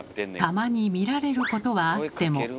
たまに見られることはあっても。